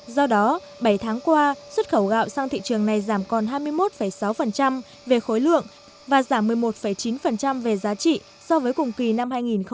do đó bảy tháng qua xuất khẩu gạo sang thị trường này giảm còn hai mươi một sáu về khối lượng và giảm một mươi một chín về giá trị so với cùng kỳ năm hai nghìn một mươi tám